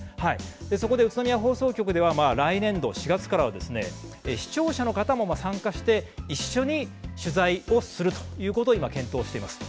そこで宇都宮放送局では来年度４月からは視聴者の方も参加して一緒に取材をするということを今、検討しています。